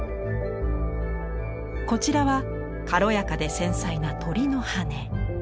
こちらは軽やかで繊細な鳥の羽根。